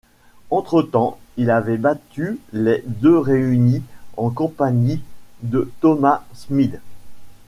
Entre-temps, il avait battu les deux réunis en compagnie de Tomas Smid.